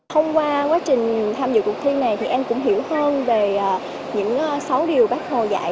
thông qua quá trình tham dự cuộc thi này thì em cũng hiểu hơn về những sáu điều bác hồ dạy